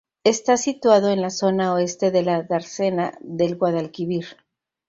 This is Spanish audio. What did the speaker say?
Está situado en la zona oeste de la dársena del Guadalquivir.